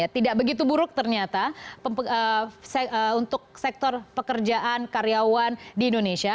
tidak begitu buruk ternyata untuk sektor pekerjaan karyawan di indonesia